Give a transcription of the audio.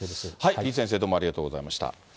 李先生ありがとうございました。